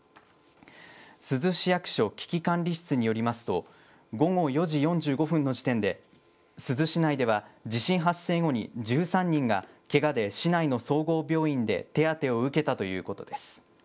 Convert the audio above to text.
珠洲市役所危機管理室によりますと、午後４時４５分の時点で、珠洲市内では地震発生後に１３人がけがで市内の総合病院で手当てを受けたということです。